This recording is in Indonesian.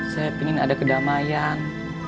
saya pingin ada kedamaian